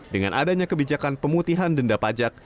dengan adanya kebijakan pemutihan denda pajak